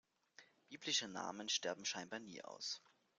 Biblische Namen sterben scheinbar nie aus.